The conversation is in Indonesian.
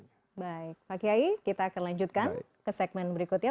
baik pak kiai kita akan lanjutkan ke segmen berikutnya